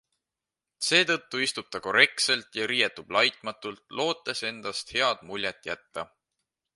Seetõttu istub ta korrektselt ja riietub laitmatult, lootes endast head muljet jätta.